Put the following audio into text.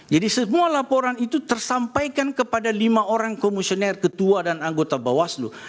jadi semua laporan itu tersampaikan kepada lima orang komisioner ketua dan anggota bawaslu